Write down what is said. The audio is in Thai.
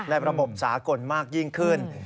และระบบสากลมากยิ่งขึ้น